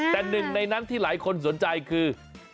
แต่หนึ่งในนั้นที่หลายคนสนใจคือ